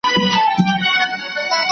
¬ خر پر لار که، خپله چار که.